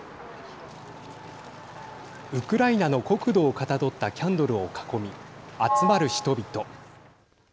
ウクライナの国土をかたどったキャンドルを囲み集まる人々。